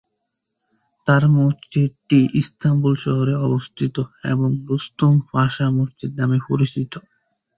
তার মসজিদটি ইস্তানবুল শহরে অবস্থিত এবং রুস্তম পাশা মসজিদ নামে পরিচিত।